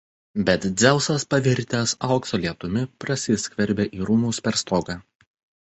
Bet Dzeusas pavirtęs aukso lietumi prasiskverbė į rūmus per stogą.